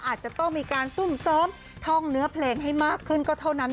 อาจจะต้องมีการซุ่มเสริมท่องเนื้อเพลงให้มากขึ้นก็เท่านั้น